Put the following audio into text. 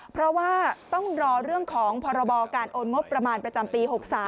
เพราะว่าต้องรอเรื่องของพรบการโอนงบประมาณประจำปี๖๓